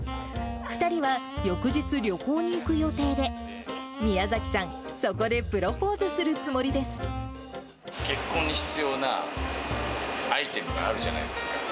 ２人は翌日、旅行に行く予定で、宮崎さん、そこでプロポーズする結婚に必要なアイテムがあるじゃないですか。